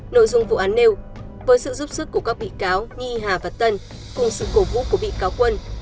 nội dung vụ án nêu với sự giúp sức của các bị cáo nhi hà và tân cùng sự cổ vũ của bị cáo quân